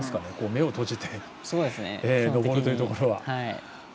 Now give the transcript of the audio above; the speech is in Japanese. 目を閉じて登るというところは。